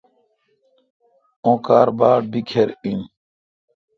اوں کار باڑ بکھر این۔